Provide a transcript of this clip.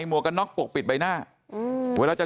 บอกว่า